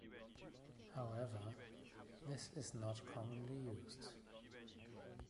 However, this is not commonly used.